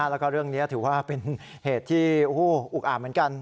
แล้วก็เรื่องนี้ถือว่าเป็นเหตุที่อุกอาบเหมือนกัน